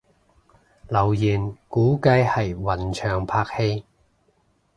留言估計係雲翔拍戲